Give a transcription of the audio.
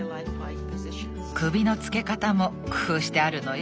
首の付け方も工夫してあるのよ。